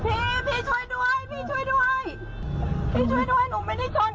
พี่ช่วยด้วยหนึ่งผลวาดแบบสอง